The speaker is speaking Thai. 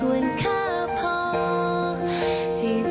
เฮ่ยร้องเป็นเด็กเลยอ่ะภรรยาเซอร์ไพรส์สามีแบบนี้ค่ะ